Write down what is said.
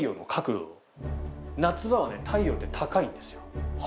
夏場は太陽って高いんですよ。